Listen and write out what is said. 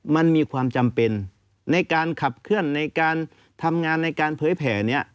มันมีความจำเป็นในการขับเคลื่อนในการทำงานในการเผยแผ่นี้